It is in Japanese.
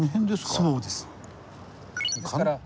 そうです。